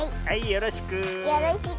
よろしく。